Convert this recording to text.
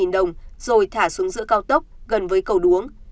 hai trăm linh đồng rồi thả xuống giữa cao tấp gần với cầu đuống